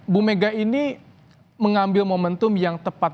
bumega ini mengambil momentum yang tepat